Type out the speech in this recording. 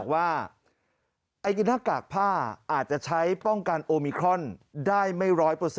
ว่าหน้ากากผ้าอาจจะใช้ป้องกันโอมิครอนได้ไม่๑๐๐